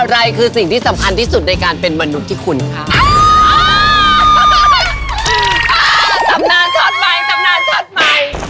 เหอมือเอี๊ยงเราถามผู้ชายเป็นแล้วแม่จะถามอะไรบ้างไหมเนี้ย